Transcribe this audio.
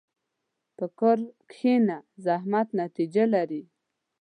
په کار کښېنه، زحمت نتیجه لري.